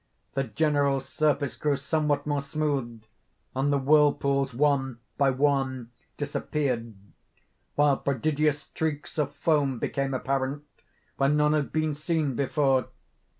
The general surface grew somewhat more smooth, and the whirlpools, one by one, disappeared, while prodigious streaks of foam became apparent where none had been seen before.